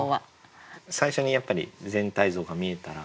最初にやっぱり全体像が見えたら。